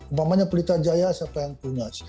umpamanya pelita jaya siapa yang punya